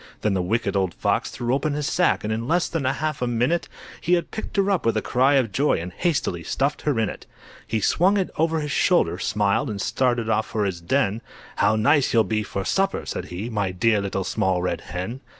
Then the Wicked Old Fox threw open his sack, And in less than half a minute, He had picked her up with a cry of joy, And hastily stuffed her in it. He swung it over his shoulder, smiled, And started off for his den; "How nice you'll be for supper!" said he, "My dear Little Small Red Hen!"